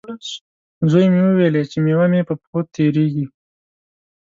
زوی مې وویلې، چې میوه مې په پښو تېرېږي.